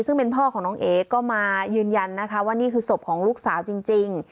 ซึ่งเป็นพ่อของน้องเอ๋ก็มายืนยันนะคะว่านี่คือศพของลูกสาวจริง